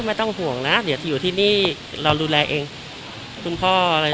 ไม่ต้องห่วงนะเดี๋ยวจะอยู่ที่นี่เราดูแลเองคุณพ่ออะไร